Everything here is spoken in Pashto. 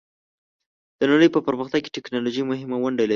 د نړۍ په پرمختګ کې ټیکنالوژي مهمه ونډه لري.